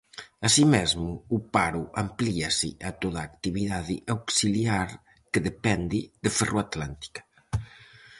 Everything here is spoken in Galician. Así mesmo, o paro amplíase a toda a actividade auxiliar que depende de Ferroatlántica.